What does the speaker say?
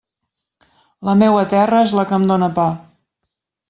La meua terra és la que em dóna pa.